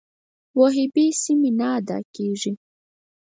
وجیبې سمې نه ادا کېږي.